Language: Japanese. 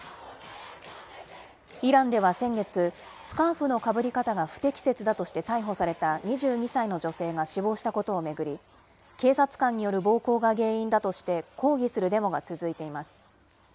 イランでは先月、スカーフのかぶり方が不適切だとして逮捕された２２歳の女性が死亡したことを巡り、警察官による暴行が原因だとして抗議するデモが続いています。